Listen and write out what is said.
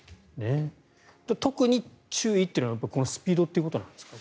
特に注意というのはスピードということなんですか。